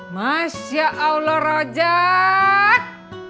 masya allah rojak